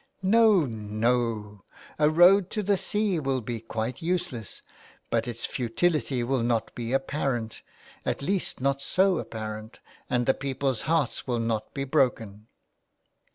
" No, no. A road to the sea will be quite useless ; but its futility will not be apparent — at least, not so apparent — and the people's hearts will not be broken."